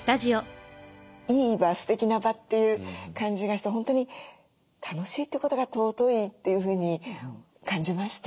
いい場すてきな場っていう感じがして本当に楽しいってことが尊いというふうに感じました。